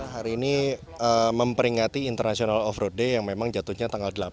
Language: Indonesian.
hari ini memperingati international off road day yang memang jatuhnya tanggal delapan